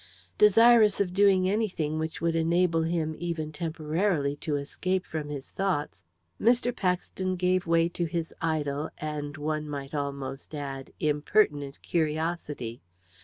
Desirous of doing anything which would enable him, even temporarily, to escape from his thoughts, Mr. Paxton gave way to his idle and, one might almost add, impertinent curiosity.